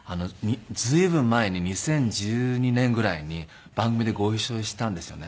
随分前に２０１２年ぐらいに番組でご一緒したんですよね。